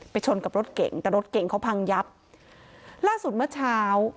ชนกับรถเก่งแต่รถเก่งเขาพังยับล่าสุดเมื่อเช้า